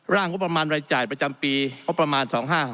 งบประมาณรายจ่ายประจำปีงบประมาณ๒๕๕